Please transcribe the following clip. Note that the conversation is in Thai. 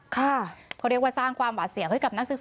เขาเรียกว่าสร้างความหวัดเสี่ยว